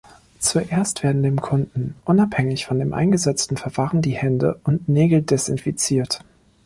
Zuerst werden dem Kunden unabhängig von dem eingesetzten Verfahren die Hände und Nägel desinfiziert.